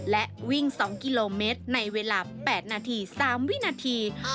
และวิ่ง๒กิโลเมตรในเวลา๘นาที๓วินาที